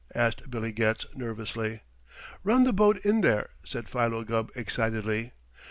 asked Billy Getz nervously. "Run the boat in there," said Philo Gubb excitedly.